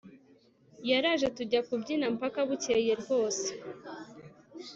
Yaraje tujya kubyina mpaka bukeye rwose